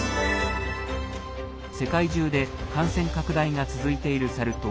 世界中で感染拡大が続いているサル痘。